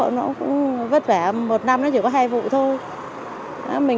một năm nó chỉ có hai vụ thôi